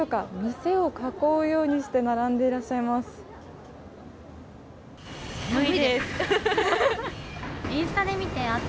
店を囲うようにして並んでいらっしゃいます。